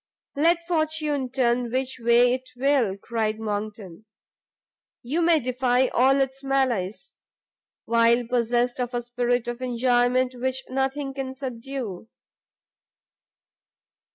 "Let fortune turn which way it will," cried Monckton, "you may defy all its malice, while possessed of a spirit of enjoyment which nothing can subdue!"